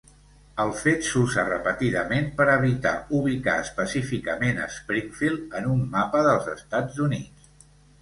El fet s'usa repetidament per evitar ubicar específicament Springfield en un mapa dels Estats Units.